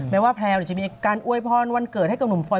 แม้ว่าแพรวเนี่ยจะมีการอ้วยพรวันเกิดให้กับหนุ่มฟรอยต์